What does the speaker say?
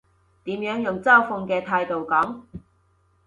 點樣用嘲諷嘅態度講？